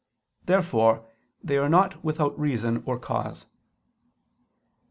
Therefore they are not without reason or cause.